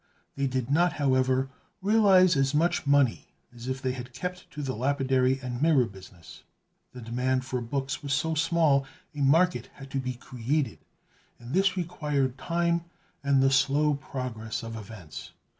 They did not, however, realize as much money as if they had kept to the lapidary and mirror business. The demand for books was so small, a market had to be created; and this required time and the slow progress of events.